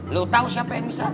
lo tahu siapa yang bisa